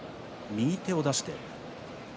右手を出して。